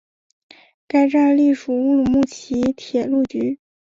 该站隶属乌鲁木齐铁路局。